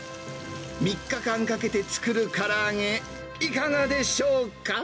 ３日間かけて作るから揚げ、いかがでしょうか。